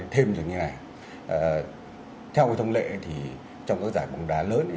theo hội thông lệ thì trong các giải bóng đá lớn